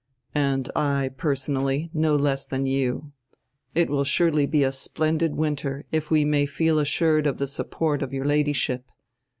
"And I, personally, no less dian you. It will surely be a splendid winter if we may feel assured of die support of your Ladyship.